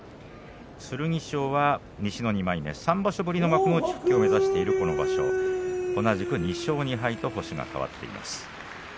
剣翔は西の２枚目３場所ぶりの幕内復帰を目指している、この場所、同じく２勝２敗と星が変わっています。